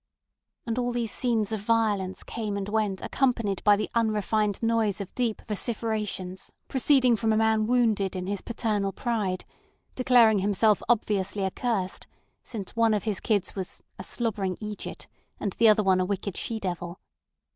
And all these scenes of violence came and went accompanied by the unrefined noise of deep vociferations proceeding from a man wounded in his paternal pride, declaring himself obviously accursed since one of his kids was a "slobbering idjut and the other a wicked she devil."